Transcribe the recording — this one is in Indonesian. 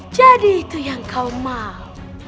jadi itu yang kau mau